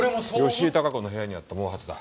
吉井孝子の部屋にあった毛髪だ。